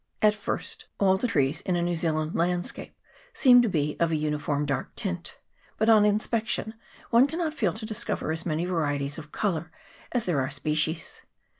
At first, all the trees in a New Zealand landscape seem to be of a uniform dark tint ; but, on inspection, one cannot fail to discover as many 224 FORESTS. [PART n. varieties of colour as there are species.